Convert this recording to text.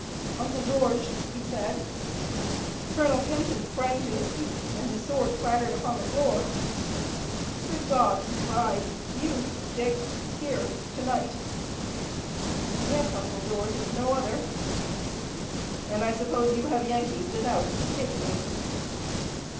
"Uncle George," he said. Colonel Kenton sprang to his feet, and his sword clattered upon the floor. "Good God!" he cried. "You, Dick! Here! To night!" "Yes, Uncle George, it's no other." "And I suppose you have Yankees without to take me."